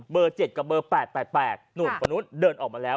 เบอร์เจ็ดกับเบอร์แปดแปดแปดนู่นปะนู้นเดินออกมาแล้ว